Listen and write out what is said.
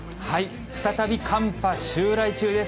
再び寒波襲来中です。